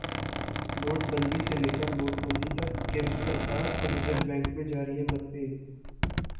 नोटबंदी से लेकर नोटमंदी तक, केंद्र सरकार और रिजर्व बैंक में जारी है मतभेद?